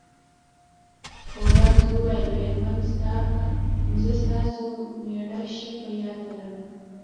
هولمز وویل میرمن زه ستاسو میړه ښه په یاد لرم